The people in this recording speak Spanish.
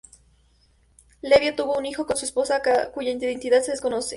Lelio tuvo un hijo con su esposa, cuya identidad se desconoce.